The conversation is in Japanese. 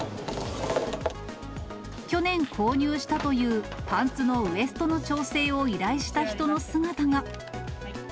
去年購入したというパンツのウエストの調整を依頼した人の姿が。